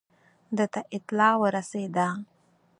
ده ته اطلاع ورسېده.